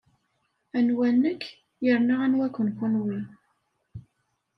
Anwa nekk yerna anwa-ken kenwi?